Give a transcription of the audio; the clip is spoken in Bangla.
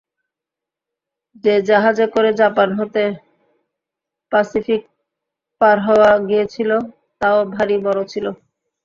যে জাহাজে করে জাপান হতে পাসিফিক পার হওয়া গিয়েছিল, তাও ভারি বড় ছিল।